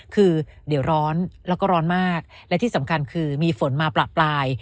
คือเดี๋ยวร้อนแล้วก็ร้อนมากและที่สำคัญคือมีฝนมาประปราย